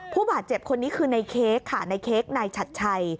ผู้บาดเจ็บคนนี้คือในเค้กค่ะในเค้กนายฉัดชัย